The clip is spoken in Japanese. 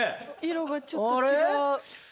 色がちょっと違う。